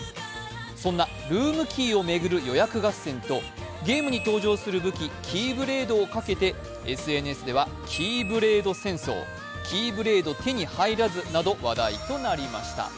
そんなルームキーを巡る予約合戦と、ゲームに登場する武器、キーブレードを掛けてＳＮＳではキーブレード戦争、キーブレード手に入らずなど話題となりました。